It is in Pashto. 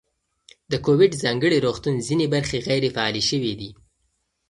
د کوویډ ځانګړي روغتون ځینې برخې غیر فعالې شوې دي.